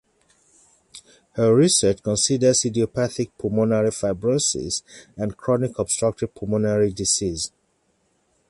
Her research considers idiopathic pulmonary fibrosis and chronic obstructive pulmonary disease.